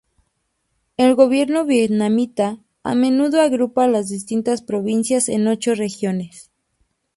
El gobierno vietnamita a menudo agrupa las distintas provincias en ocho regiones.